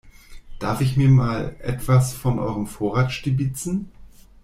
Darf ich mir mal etwas von eurem Vorrat stibitzen?